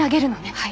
はい。